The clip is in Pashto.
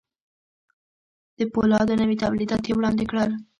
د پولادو نوي توليدات يې وړاندې کړل.